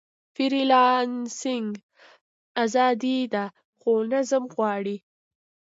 فریلانسنګ ازادي ده، خو نظم غواړي.